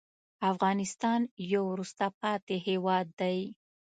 افغانستان یو وروسته پاتې هېواد دی.